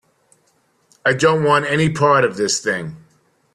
I don't want any part of this thing.